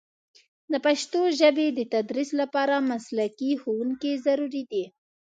د پښتو ژبې د تدریس لپاره مسلکي ښوونکي ضروري دي.